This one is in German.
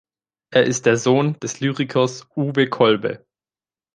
Er ist der Sohn des Lyrikers Uwe Kolbe.